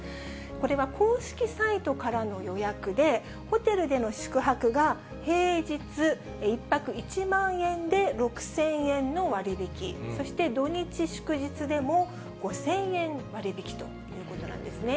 これは公式サイトからの予約で、ホテルでの宿泊が平日１泊１万円で６０００円の割引、そして土日、祝日でも５０００円割引ということなんですね。